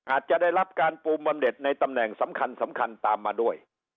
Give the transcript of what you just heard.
อาจจะได้รับการปูมเบิ่มเด็จในตำแหน่งสำคัญตามมาด้วย